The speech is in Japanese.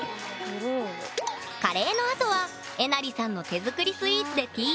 カレーのあとはえなりさんの手作りスイーツでティータイム